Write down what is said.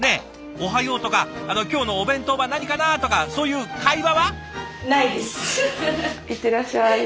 「おはよう」とか「今日のお弁当は何かな？」とかそういう会話は？